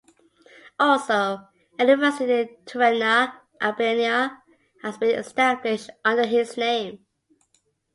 Also, a university in Tirana, Albania has been established under his name.